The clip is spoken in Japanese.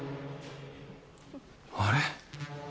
あれ？